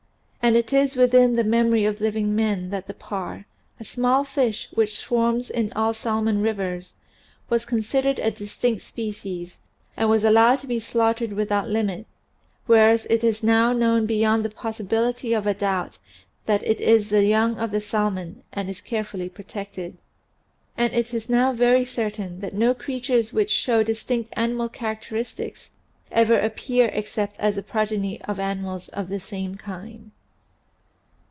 And it is within the memory of living men that the parr, a small fish which swarms in all salmon rivers, was considered a distinct species and was allowed to be slaughtered without limit, whereas it is now known beyond the possibility of a doubt that it is the young of the salmon and is carefully protected. And it is now very certain that no creatures which show distinct animal characteristics ever appear except as the progeny of animals of the same kind.